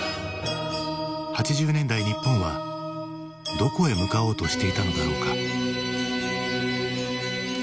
８０年代日本はどこへ向かおうとしていたのだろうか？